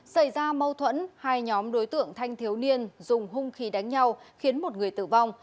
xảy ra mâu thuẫn hai nhóm đối tượng thanh thiếu niên dùng hung khí đánh nhau khiến một người tử vong